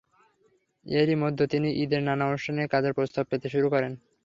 এরই মধ্যে তিনি ঈদের নানা অনুষ্ঠানে কাজের প্রস্তাব পেতে শুরু করেন।